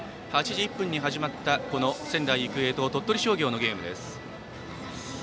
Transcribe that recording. ８時１分に始まった仙台育英と鳥取商業のゲームです。